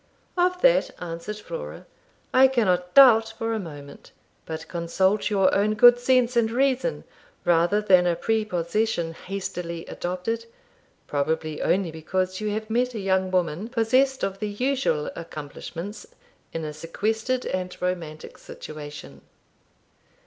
'Of that,' answered Flora, 'I cannot doubt for a moment. But consult your own good sense and reason rather than a prepossession hastily adopted, probably only because you have met a young woman possessed of the usual accomplishments in a sequestered and romantic situation.